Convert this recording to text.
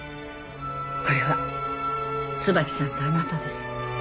これは椿さんとあなたです。